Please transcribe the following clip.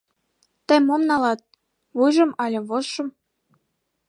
— Тый мом налат: вуйжым але вожшым?